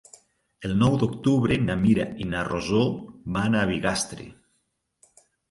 El nou d'octubre na Mira i na Rosó van a Bigastre.